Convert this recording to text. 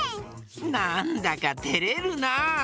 なんだかてれるな。